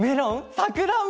さくらんぼ？